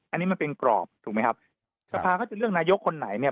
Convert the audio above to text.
อันนี้มันเป็นกรอบถูกไหมครับสภาเขาจะเลือกนายกคนไหนเนี่ย